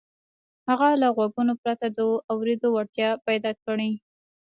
هغه له غوږونو پرته د اورېدو وړتيا پيدا کړي.